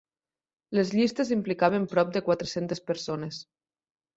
Les llistes implicaven prop de quatre-centes persones.